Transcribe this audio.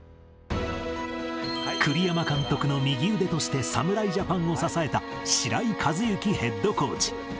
栗山監督の右腕として侍ジャパンを支えた白井一幸ヘッドコーチ。